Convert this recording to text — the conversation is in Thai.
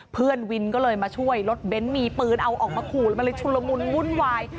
เพื่อนวินก็เลยมาช่วยรถเบ้นมีปืนเอาออกมาขู่มันเลยชุลมุนวุ่นวาย